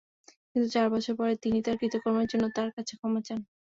কিন্তু চার বছর পরে তিনি তাঁর কৃতকর্মের জন্য তাঁর কাছে ক্ষমা চান।